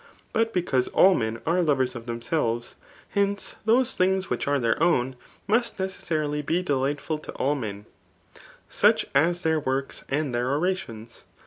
But because all men are lovers of themselves, hence, those things which are their own, must necessarily be delightful to all men ; such as their works, and their orations.